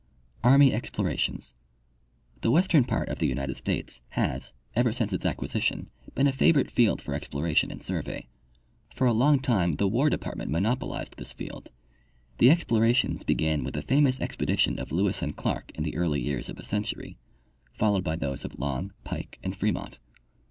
Army Explorations. — The Avestern part of the United States has, ever since its acquisition, been a favorite field for explora tion and survey. For a long time the War department monopo lized this field. The explorations began with the famous expe dition of Lewis and Clarke in the early years of the century, followed by those of Long, Pike and Fremont.